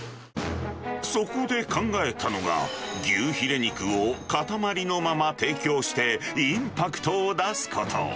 そこで考えたのが、牛ひれ肉を塊のまま提供して、インパクトを出すこと。